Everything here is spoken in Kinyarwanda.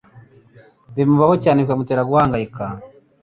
Bimubaho cyane bikmutera guhangayika